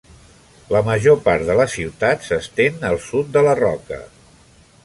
La major part de la ciutat s'estén al sud de la roca.